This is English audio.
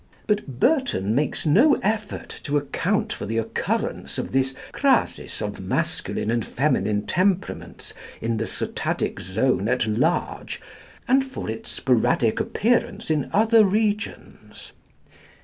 But Burton makes no effort to account for the occurrence of this crasis of masculine and feminine temperaments in the Sotadic Zone at large, and for its sporadic appearance in other regions.